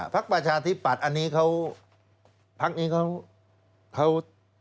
พักประชาธิปัตธ์กฟาร์ทอันนี้เขา